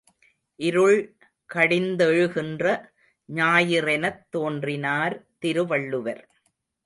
இருள் கடிந்தெழுகின்ற ஞாயிறெனத் தோன்றினார் திருவள்ளுவர்.